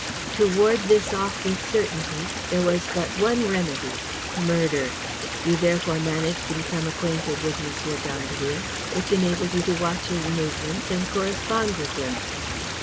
To ward this off with certainty, there was but one remedy, murder. You therefore managed to become acquainted with M. d'Andeville, which enabled you to watch his movements and correspond with him.